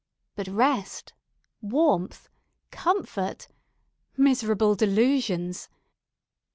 But, rest! warmth! comfort! miserable delusions!